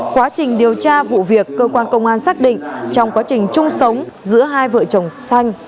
quá trình điều tra vụ việc cơ quan công an xác định trong quá trình chung sống giữa hai vợ chồng xanh